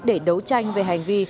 để đấu tranh về hành vi